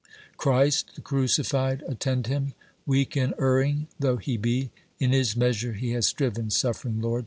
Christ, the crucified, attend him, weak and erring though he be; In his measure he has striven, suffering Lord